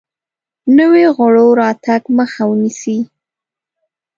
نویو غړو راتګ مخه ونیسي.